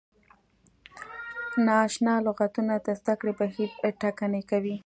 نا اشنا لغتونه د زده کړې بهیر ټکنی کوي.